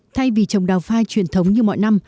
thay vì trồng đào phai truyền thống như mọi năm